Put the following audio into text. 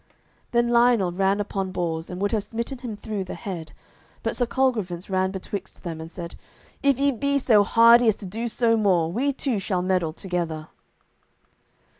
Then Lionel ran upon Bors, and would have smitten him through the head, but Sir Colgrevance ran betwixt them, and said, "If ye be so hardy as to do so more, we two shall meddle together."